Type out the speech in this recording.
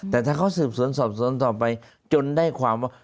แต่ถ้าเขาสืบสวนสอบสวนต่อไปจนได้ความว่า